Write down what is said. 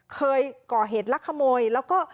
เคยก่อเหตุลักขโมยแล้วก็